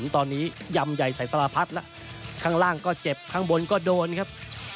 ตอนนี้ยำใหญ่ใส่สารพัดแล้วข้างล่างก็เจ็บข้างบนก็โดนครับ